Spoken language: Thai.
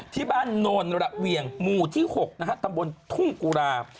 ที่บ้านนน์ระเวียงหมู่ที่๖ตำบลทุ่งกุรา